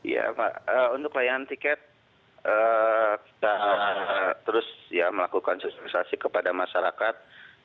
ya pak untuk layanan tiket kita terus melakukan sosialisasi kepada masyarakat